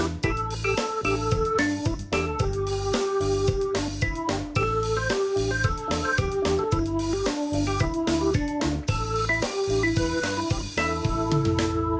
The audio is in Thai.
โปรดติดตามตอนต่อไป